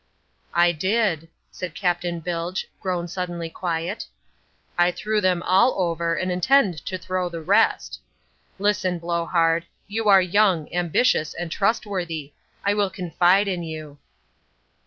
"I did," said Captain Bilge, grown suddenly quiet, "I threw them all over and intend to throw the rest. Listen, Blowhard, you are young, ambitious, and trustworthy. I will confide in you."